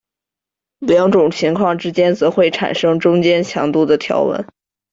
两种情况之间则会产生中间强度的条纹。